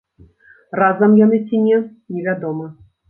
Разам яны ці не, невядома.